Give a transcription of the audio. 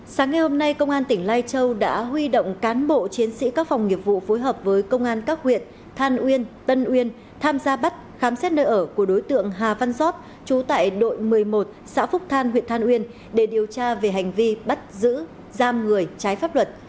sáng ngày hôm nay công an tỉnh lai châu đã huy động cán bộ chiến sĩ các phòng nghiệp vụ phối hợp với công an các huyện than uyên tân uyên tham gia bắt khám xét nơi ở của đối tượng hà văn giót trú tại đội một mươi một xã phúc than huyện than uyên để điều tra về hành vi bắt giữ giam người trái pháp luật